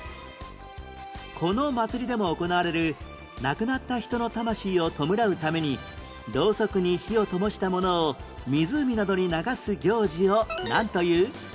この祭りでも行われる亡くなった人の魂を弔うためにろうそくに火をともしたものを湖などに流す行事をなんという？